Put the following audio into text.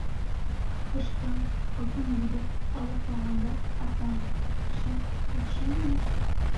Һуғыштан... алтын биреп... алып ҡалғанда... атаң, шәт, яҡшы ине?